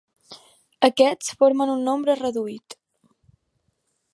Aquests formen un nombre reduït.